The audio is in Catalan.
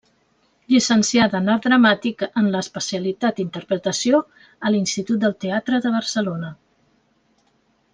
Llicenciada en Art Dramàtic en l'especialitat Interpretació a l'Institut del Teatre de Barcelona.